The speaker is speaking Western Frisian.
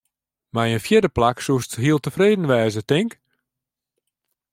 Mei in fjirde plak soesto heel tefreden wêze, tink?